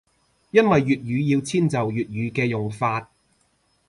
因為粵語要遷就粵語嘅用法